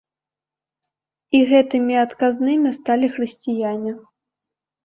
І гэтымі адказнымі сталі хрысціяне.